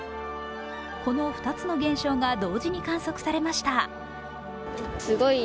この２つの現象が同時に観測されました。